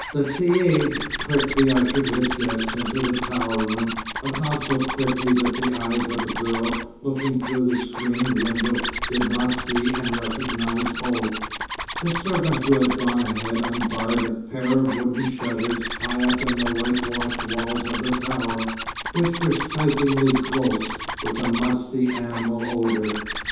The Caïd quickly ushered his guests into the tower room, but not so quickly that the eyes of a girl, looking through a screened window, did not see and recognize both. The servant who had gone ahead unbarred a pair of wooden shutters high up in the whitewashed walls of the tower, which was stiflingly close, with a musty, animal odour.